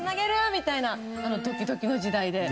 みたいなドキドキの時代で。